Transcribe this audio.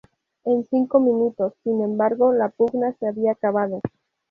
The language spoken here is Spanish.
En cinco minutos, sin embargo, la pugna se había acabado.